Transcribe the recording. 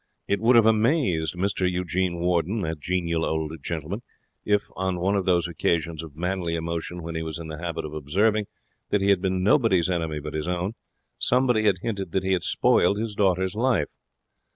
It would have amazed Mr Eugene Warden, that genial old gentleman, if, on one of those occasions of manly emotion when he was in the habit of observing that he had been nobody's enemy but his own, somebody had hinted that he had spoiled his daughter's life.